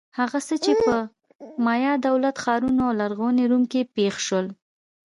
هغه څه چې په مایا دولت-ښارونو او لرغوني روم کې پېښ شول.